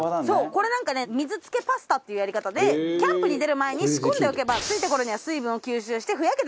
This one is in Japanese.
これなんかね水漬けパスタっていうやり方でキャンプに出る前に仕込んでおけば着いた頃には水分を吸収してふやけた状態になるんだって。